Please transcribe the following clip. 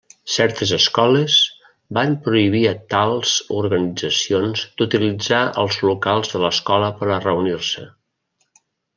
Certes escoles van prohibir a tals organitzacions d'utilitzar els locals de l'escola per a reunir-se.